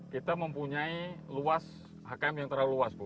kita mempunyai luas hkm yang terlalu luas bu